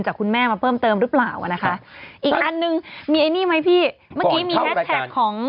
คุณแม่มาเพิ่มเติมหรือเปล่าอ่ะนะคะอีกอันหนึ่งมีไอ้นี่ไหมพี่เมื่อกี้มีแฮสแท็กของ